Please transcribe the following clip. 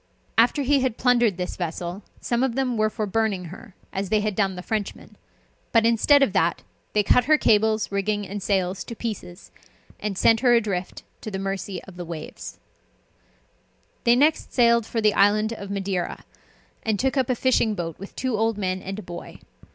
After he had plundered this vessel, some of them were for burning her, as they had done the Frenchman; but instead of that, they cut her cables, rigging, and sails to pieces, and sent her adrift to the mercy of the waves. [Illustration: The Cruelties practised by Captain Low.] They next sailed for the island of Madeira, and took up a fishing boat with two old men and a boy.